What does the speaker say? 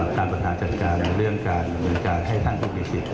การประหลาดจัดการในเรื่องการเหมือนการให้ท่านผู้ผู้ผิดสิทธิ์